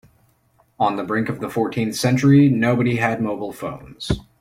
On the brink of the fourteenth century, nobody had mobile phones.